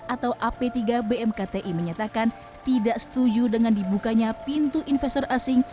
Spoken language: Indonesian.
atau ap tiga bmkti menyatakan tidak setuju dengan dibukanya pintu investor asing